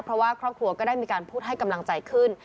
เพราะว่าครอบครัวก็ได้มีการพูดให้กำลังใจขึ้น